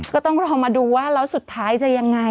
ก็ต้องรอมาดูว่าแล้วสุดท้ายจะยังไง